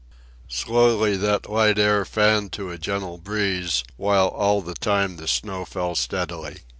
Slowly that light air fanned to a gentle breeze while all the time the snow fell steadily.